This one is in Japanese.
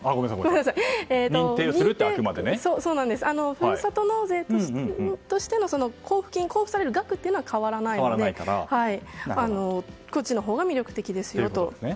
ふるさと納税としての交付される額は変わらないのでこっちのほうが魅力的ですよと。